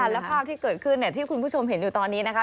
และภาพที่เกิดขึ้นที่คุณผู้ชมเห็นอยู่ตอนนี้นะคะ